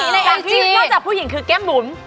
ไม่งั้นมีที่นอกจากผู้หญิงคือแก้มหนุน